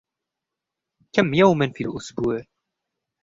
كم يومًا في الأسبوع ؟